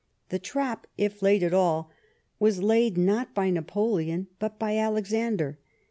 The " trap," if laid at all, was laid, not by Napoleon, but by Alexander.